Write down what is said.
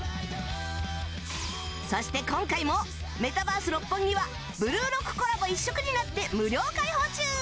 そして、今回もメタバース六本木は「ブルーロック」コラボ一色になって無料開放中！